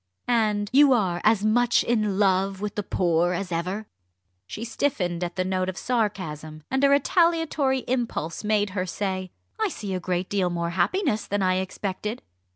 "And you are as much in love with the poor as ever?" She stiffened at the note of sarcasm, and a retaliatory impulse made her say: "I see a great deal more happiness than I expected."